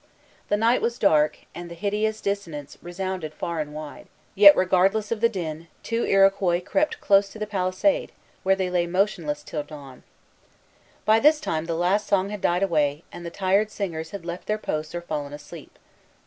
The night was dark, and the hideous dissonance resounded far and wide; yet, regardless of the din, two Iroquois crept close to the palisade, where they lay motionless till near dawn. By this time the last song had died away, and the tired singers had left their posts or fallen asleep.